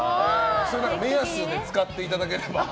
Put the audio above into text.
目安に使っていただければ。